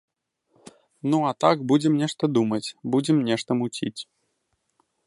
Ну, а так будзем нешта думаць, будзем нешта муціць.